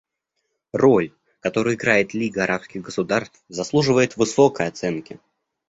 Роль, которую играет Лига арабских государств, заслуживает высокой оценки.